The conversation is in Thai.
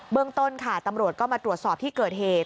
เรื่องต้นค่ะตำรวจก็มาตรวจสอบที่เกิดเหตุ